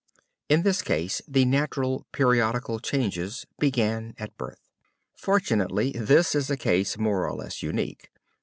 In this case the natural periodical changes began at birth! Fortunately, this is a case more or less unique.